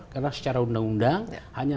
karena secara undang undang hanya